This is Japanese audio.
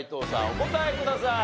お答えください。